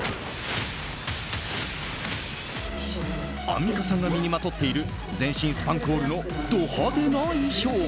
アンミカさんが身にまとっている全身スパンコールのド派手な衣装。